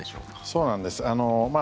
そうなんです。